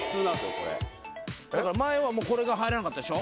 これ前はもうこれが入らなかったでしょ